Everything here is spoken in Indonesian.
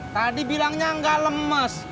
tadi bilangnya gak lemes